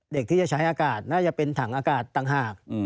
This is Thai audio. เด็กที่จะใช้อากาศน่าจะเป็นถังอากาศต่างหาก